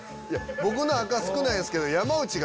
僕の赤少ないですけど山内が。